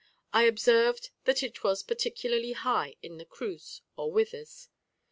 I observed that it was particularly high in the cruz, or withers.